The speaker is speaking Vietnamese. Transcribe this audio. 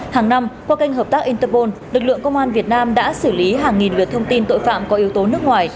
hàng năm qua kênh hợp tác interpol lực lượng công an việt nam đã xử lý hàng nghìn lượt thông tin tội phạm có yếu tố nước ngoài